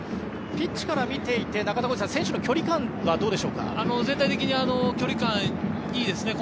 ピッチから見ていて選手の距離感は全体的に距離感いいです。